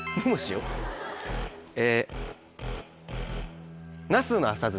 え。